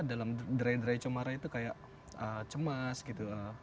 dalam derai derai comara itu kayak cemas gitu